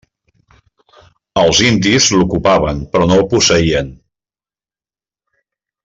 Els indis l'ocupaven, però no el posseïen.